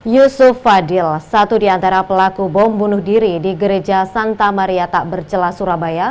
yusuf fadil satu di antara pelaku bom bunuh diri di gereja santa maria takbercelah surabaya